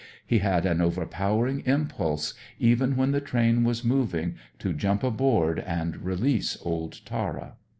He had an overpowering impulse, even when the train was moving, to jump aboard and release old Tara.